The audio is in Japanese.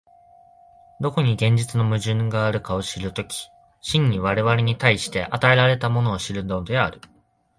どこに現実の矛盾があるかを知る時、真に我々に対して与えられたものを知るのである。